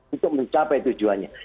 untuk mencapai tujuannya